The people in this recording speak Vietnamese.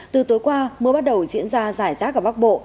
từ tối qua mưa bắt đầu diễn ra rải rác ở bắc bộ